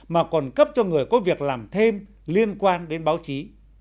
mà còn cấp cho người có việc làm thêm liên quan đến báo chí